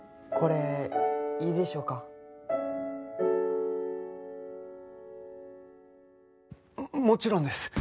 これいいでしょうか？ももちろんです。